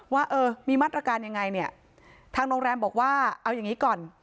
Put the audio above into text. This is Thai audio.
ว่าเออมีมาตรการยังไงเนี่ยทางโรงแรมบอกว่าเอาอย่างนี้ก่อน